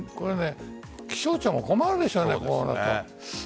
気象庁も困るでしょう。